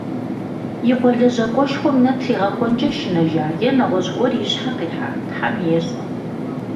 И къуэ лэжьакӀуэшхуэм нэ тригъэхуэнкӀэ шынэжа, е нэгъуэщӀ гуэр и щхьэ къихьа, Тхьэм ещӏэ.